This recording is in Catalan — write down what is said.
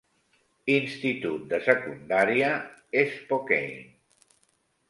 Institut de secundària Spokane.